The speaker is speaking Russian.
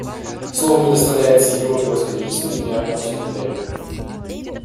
Слово предоставляется Его Превосходительству Генеральному секретарю.